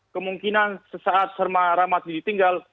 kemungkinan sesaat serma rama masih ditinggal